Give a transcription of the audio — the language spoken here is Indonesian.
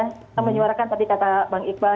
kita menyuarakan tadi kata bang iqbal